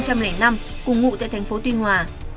cùng ngụ tại tp tuy hòa